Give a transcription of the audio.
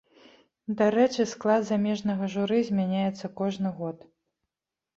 Дарэчы, склад замежнага журы змяняецца кожны год.